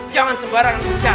jangan sebarang berbicara